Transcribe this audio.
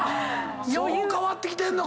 そう変わってきてんのか。